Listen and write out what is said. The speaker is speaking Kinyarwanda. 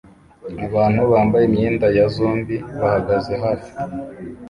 abantu bambaye imyenda ya zombie bahagaze hafi